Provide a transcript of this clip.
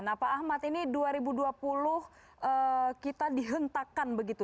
nah pak ahmad ini dua ribu dua puluh kita dihentakkan begitu